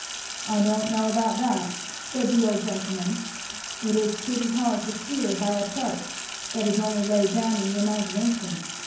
"I don't know about that," said the old gentleman. "It is pretty hard to steer by a chart that is only laid down in the imagination.